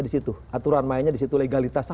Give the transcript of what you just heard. di situ aturan mainnya di situ legalitasnya